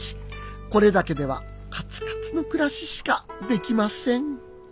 これだけではかつかつの暮らししかできません。